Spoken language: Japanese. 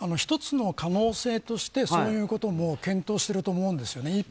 １つの可能性としてそういうことも検討していると思うんですよね。